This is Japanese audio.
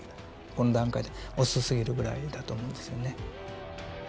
この段階だと遅すぎるぐらいだと思うんですよね。